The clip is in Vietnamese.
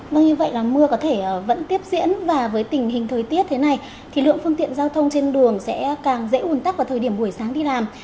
vâng như vậy là mưa có thể vẫn tiếp diễn và với tình hình thời tiết thế này thì lượng phương tiện giao thông trên đường sẽ càng dễ ủn tắc vào thời điểm buổi sáng đi làm